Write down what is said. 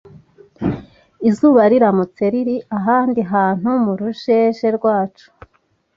Izuba riramutse riri ahandi hantu mu rujeje rwacu